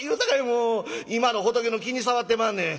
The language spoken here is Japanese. もう今の仏の気に障ってまんねん」。